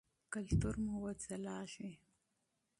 کلتور مو وځلیږي.